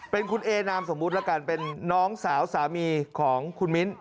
เป็นคุณเอนามสมมุติละกันเป็นน้องสาวสามีของคุณมิ้น